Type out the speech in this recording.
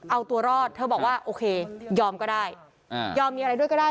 เอาตัวรอดเธอบอกว่าโอเคยอมก็ได้ยอมมีอะไรด้วยก็ได้